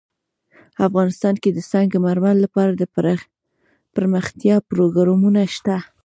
افغانستان کې د سنگ مرمر لپاره دپرمختیا پروګرامونه شته.